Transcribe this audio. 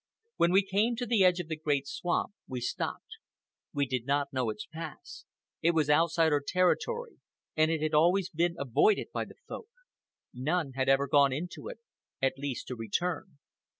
When we came to the edge of the great swamp, we stopped. We did not know its paths. It was outside our territory, and it had been always avoided by the Folk. None had ever gone into it—at least, to return.